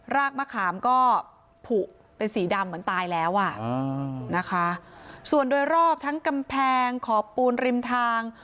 กมะขามก็ผูกเป็นสีดำเหมือนตายแล้วอ่ะนะคะส่วนโดยรอบทั้งกำแพงขอบปูนริมทาง